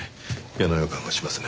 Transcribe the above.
嫌な予感がしますね。